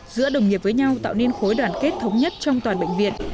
giữa đồng nghiệp với nhau tạo nên khối đoàn kết thống nhất trong toàn bệnh viện